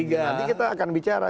nanti kita akan bicara